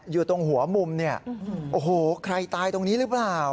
อยู่ตรงหัวมุมใครตายตรงนี้หรือเปล่า